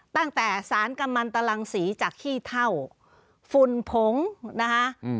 ตั้งแต่สารกำมันตรังสีจากขี้เท่าฝุ่นผงนะคะ